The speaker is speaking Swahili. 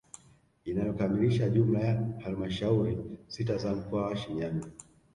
Inayokamilisha jumla ya halmashauri sita za mkoa wa Shinyanga